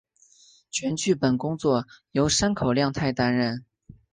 全剧本工作由山口亮太担任。